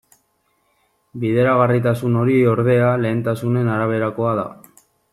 Bideragarritasun hori, ordea, lehentasunen araberakoa da.